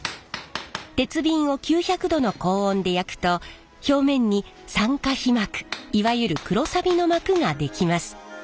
鉄瓶を９００℃の高温で焼くと表面に酸化皮膜いわゆる黒さびの膜ができます。